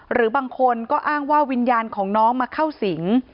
หรือบางคนก็อ้างว่าวิญญาณของน้องมาเข้าสิง